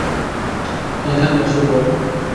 এখানে এসো, বব।